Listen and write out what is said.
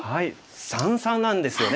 三々なんですよね。